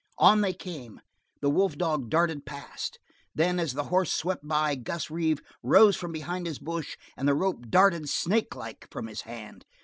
On they came. The wolf dog darted past. Then as the horse swept by, Gus Reeve rose from behind his bush and the rope darted snakelike from his hand.